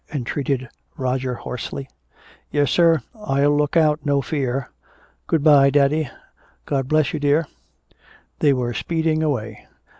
entreated Roger hoarsely. "Yes, sir! I'll look out! No fear!" "Good bye, daddy!" "God bless you, dear!" They were speeding away.